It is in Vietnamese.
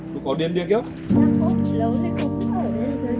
cô có điên điên kia không